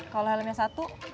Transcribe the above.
kalau helmnya satu